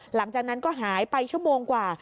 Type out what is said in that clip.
หลังจากนั้นก็หายไปชั่วโมงกว่า